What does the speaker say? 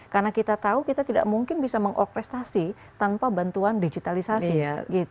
karena kita tahu kita tidak mungkin bisa meng orchestrasi tanpa bantuan digitalisasi